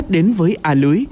đến với a lưới